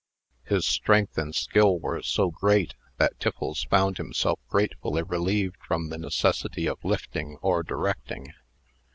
His strength and skill were so great, that Tiffles found himself gratefully relieved from the necessity of lifting, or directing.